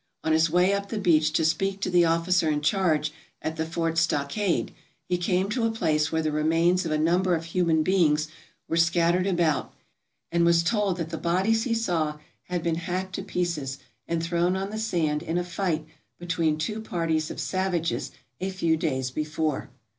On his way up the beach to speak to the officer in charge at the fort stockade he came to a place where the remains of a number of human beings were scattered about and was told that the bodies he saw had been hacked to pieces and thrown on the sand in a fight between two parties of savages a few days before.